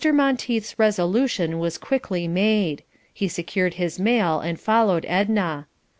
Monteith's resolution was quickly made; he secured his mail and followed Edna.